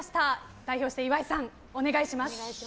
代表して、岩井さんお願いします。